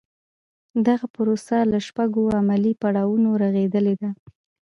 دغه پروسه له شپږو عملي پړاوونو رغېدلې ده.